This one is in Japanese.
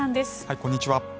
こんにちは。